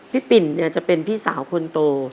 ปิ่นเนี่ยจะเป็นพี่สาวคนโต